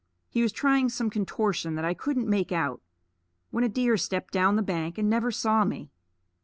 He was trying some contortion that I couldn't make out, when a deer stepped down the bank and never saw me.